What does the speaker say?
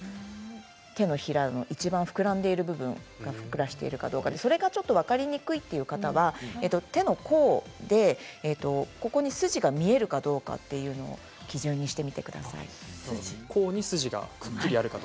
手のひらのいちばん膨らんでいる部分がふっくらしているかどうかそれが分かりにくいという方は手の甲で筋が見えるかどうかというのを基準にしてみてください。